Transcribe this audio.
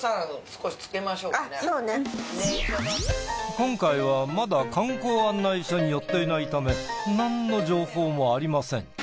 今回はまだ観光案内所に寄っていないためなんの情報もありません。